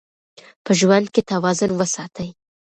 په ژوند کې توازن وساتئ.